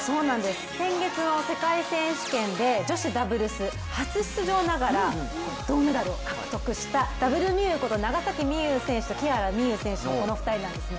先月の世界選手権で女子ダブルス、初出場ながら銅メダルを獲得したＷみゆうこと長崎美柚選手と木原美悠選手ですね。